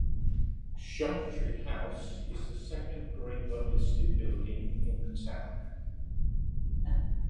Chantry House is the second Grade One listed building in the town.